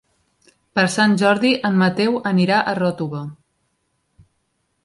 Per Sant Jordi en Mateu anirà a Ròtova.